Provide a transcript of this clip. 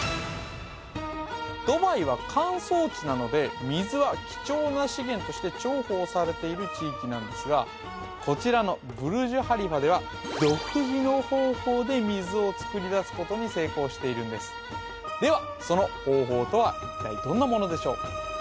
ここで超難問な資源として重宝されている地域なんですがこちらのブルジュ・ハリファでは独自の方法で水を作り出すことに成功しているんですではその方法とは一体どんなものでしょう？